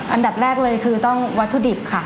อันดับแรกเลยคือต้องวัตถุดิบค่ะ